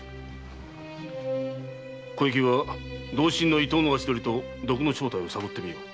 小雪は同心・伊東の足取りと毒の正体を探ってみよ。